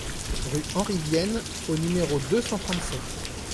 Rue Henri Vienne au numéro deux cent trente-sept